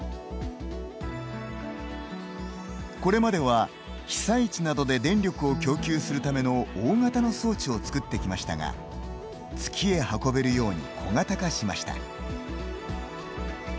これまでは、被災地などで電力を供給するための大型の装置を作ってきましたが月へ運べるように小型化しました。